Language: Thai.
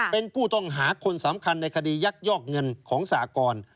เป็นผู้ต้องหาคนสำคัญในคดียักยอกเงินของสากร